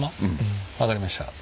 分かりました。